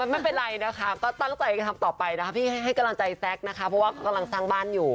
ไม่เป็นไรนะคะก็ตั้งใจทำต่อไปนะคะพี่ให้กำลังใจแซคนะคะเพราะว่ากำลังสร้างบ้านอยู่